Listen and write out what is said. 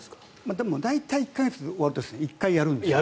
でも代替１か月が終わると１回やるんです。